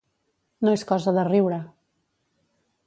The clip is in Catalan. No és cosa de riure.